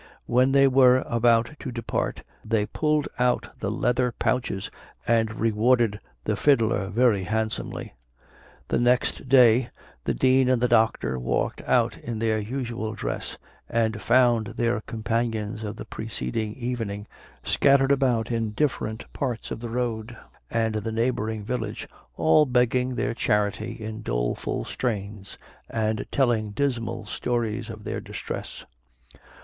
When they were about to depart, they pulled out the leather pouches, and rewarded the fiddler very handsomely. The next day the Dean and the Doctor walked out in their usual dress, and found their companions of the preceding evening scattered about in different parts of the road and the neighboring village, all begging their charity in doleful strains, and telling dismal stories of their distress.